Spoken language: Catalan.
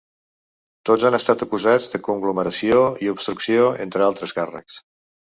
Tots han estat acusats de conglomeració i obstrucció, entre altres càrrecs.